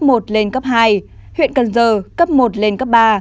hai địa phương đạt cấp hai là huyện cần dơ cấp một lên cấp ba